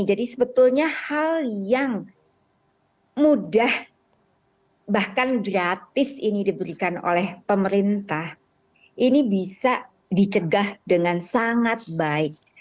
jadi sebetulnya hal yang mudah bahkan gratis ini diberikan oleh pemerintah ini bisa dicegah dengan sangat baik